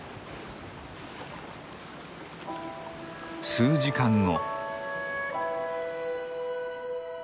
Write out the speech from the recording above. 数時間後。